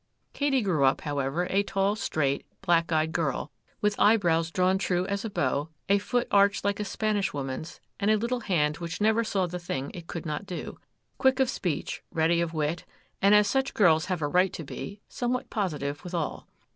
Katy grew up, however, a tall, straight, black eyed girl, with eyebrows drawn true as a bow, a foot arched like a Spanish woman's, and a little hand which never saw the thing it could not do,—quick of speech, ready of wit, and, as such girls have a right to be, somewhat positive withal.